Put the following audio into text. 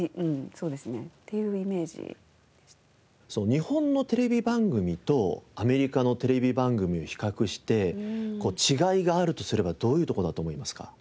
日本のテレビ番組とアメリカのテレビ番組を比較して違いがあるとすればどういうところだと思いますか？